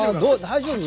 大丈夫？